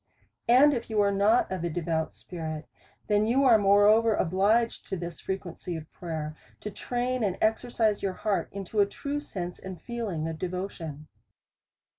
And if you are not of a devout spirit, then you are moreover obliged to this frequency of prayer, to train and exercise your heart into a true sense and feeling of devotion.